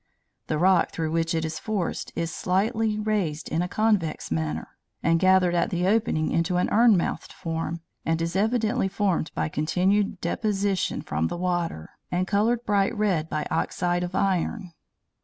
The rock through which it is forced is slightly raised in a convex manner, and gathered at the opening into an urn mouthed form, and is evidently formed by continued deposition from the water, and colored bright red by oxide of iron.